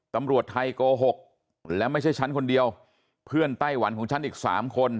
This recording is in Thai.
ตำรวจไทยโกหกและไม่ใช่ฉันคนเดียวเพื่อนไต้หวันของฉันอีกสามคน